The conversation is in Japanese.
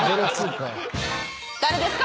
誰ですか？